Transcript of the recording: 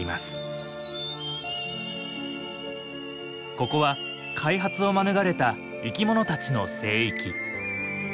ここは開発を免れた生き物たちの聖域。